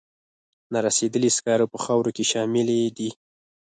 نارسیدلي سکاره په خاورو کې شاملې دي.